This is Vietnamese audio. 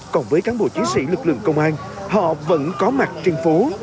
còn với cán bộ chiến sĩ lực lượng công an họ vẫn có mặt trên phố